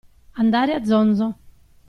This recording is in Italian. Andare a zonzo.